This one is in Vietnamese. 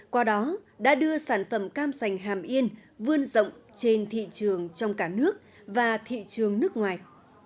qua đó đã đưa sản phẩm cam sành hàm yên vươn rộng trên thị trường trong cả nước và thị trường nước ngoài